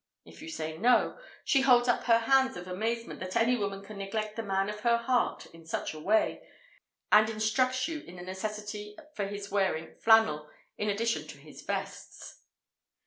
If you say No, she holds up hands of amazement that any woman can neglect the man of her heart in such a way, and instructs you in the necessity for his wearing flannel in addition to his vests.